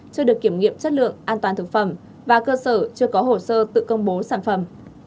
chưa được kiểm nghiệm chất lượng an toàn thực phẩm và cơ sở chưa có hồ sơ tự công bố sản phẩm